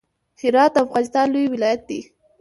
هرات د افغانستان لوی ولایت دی.